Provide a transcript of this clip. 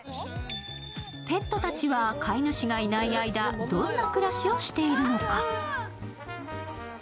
ペットたちは飼い主がいない間、どんな暮らしをしているのか。